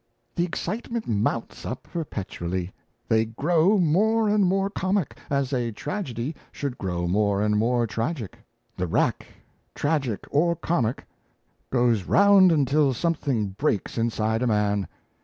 "The excitement mounts up perpetually; they grow more and more comic, as a tragedy should grow more and more tragic. The rack, tragic or comic, goes round until something breaks inside a man.